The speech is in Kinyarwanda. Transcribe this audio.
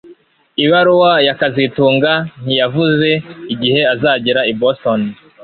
Ibaruwa ya kazitunga ntiyavuze igihe azagera i Boston